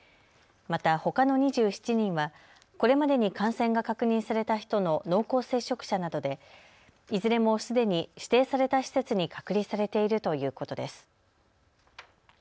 また、ほかの２７人はこれまでに感染が確認された人の濃厚接触者などでいずれもすでに指定された施設に隔離されているということです。